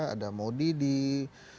ada macron di perancis ada thibodeau di kanada